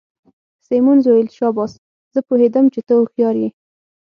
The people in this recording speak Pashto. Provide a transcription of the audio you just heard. سیمونز وویل: شاباس، زه پوهیدم چي ته هوښیار يې.